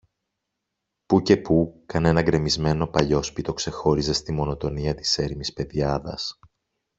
Πού και πού, κανένα γκρεμισμένο παλιόσπιτο ξεχώριζε στη μονοτονία της έρημης πεδιάδας.